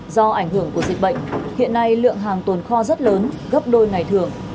do ảnh hưởng của dịch bệnh hiện nay lượng hàng tồn kho rất lớn gấp đôi ngày thường